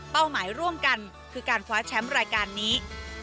หมายร่วมกันคือการคว้าแชมป์รายการนี้